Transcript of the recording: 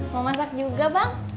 mau masak juga bang